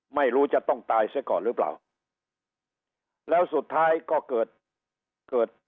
ไม่รู้จะต้องตายซะก่อนหรือเปล่าแล้วสุดท้ายก็เกิดเกิด